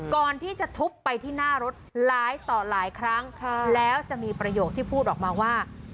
ก่อนที่จะทุบไปที่หน้ารถหลายต่อหลายครั้งแล้วจะมีประโยคที่พูดออกมาว่า